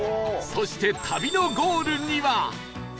そして旅のゴールには